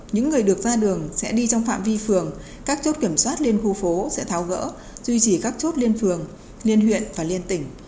những người được ra đường sẽ đi trong phạm vi phường các chốt kiểm soát liên khu phố sẽ tháo gỡ duy trì các chốt liên phường liên huyện và liên tỉnh